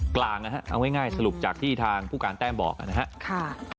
กลางนะฮะเอาง่ายสรุปจากที่ทางผู้การแต้มบอกนะครับ